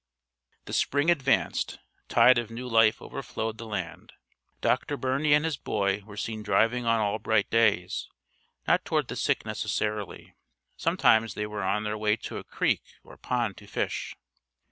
The spring advanced; tide of new life overflowed the land. Dr. Birney and his boy were seen driving on all bright days: not toward the sick necessarily; sometimes they were on their way to a creek or pond to fish.